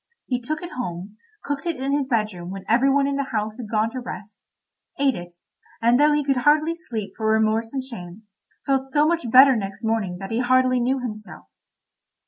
He took it home, cooked it in his bedroom when every one in the house had gone to rest, ate it, and though he could hardly sleep for remorse and shame, felt so much better next morning that he hardly knew himself.